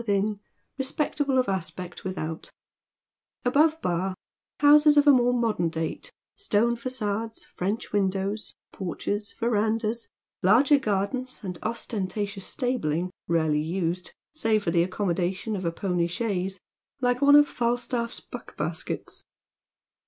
within, respectable of aspect without ; above Bar, houses of a more modern date, stone facades, French windows, porches, verandahs, larger gardens, and ostentatious stabling, rarely used^ save for the accommodation of a pony chaise, like one of FalstafE'a buck baskets.